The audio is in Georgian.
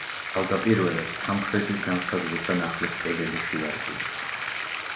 თავდაპირველად სამხრეთის ნავსადგურთან ახლოს კედელი შეარყიეს.